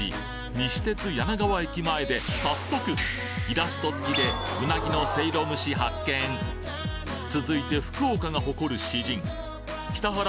西鉄柳川駅前で早速イラスト付きで「うなぎのせいろむし」発見続いて福岡が誇る詩人北原